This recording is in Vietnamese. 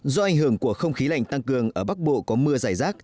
do ảnh hưởng của không khí lạnh tăng cường ở bắc bộ có mưa giải rác